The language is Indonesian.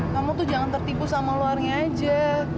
kamu tuh jangan tertipu sama luarnya aja